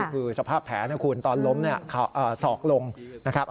คือสภาพแผลนะคุณตอนล้มสอกลงนะครับ